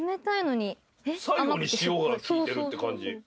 最後に塩が効いてるって感じ。